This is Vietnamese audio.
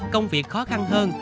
công việc khó khăn hơn